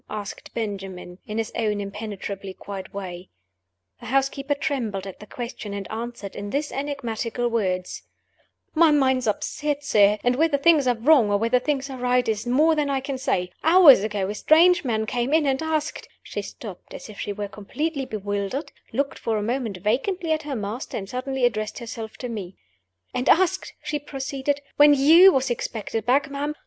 asked Benjamin, in his own impenetrably quiet way. The housekeeper trembled at the question, and answered in these enigmatical words: "My mind's upset, sir; and whether things are wrong or whether things are right is more than I can say. Hours ago, a strange man came in and asked" she stopped, as if she were completely bewildered looked for a moment vacantly at her master and suddenly addressed herself to me. "And asked," she proceeded, "when you was expected back, ma'am.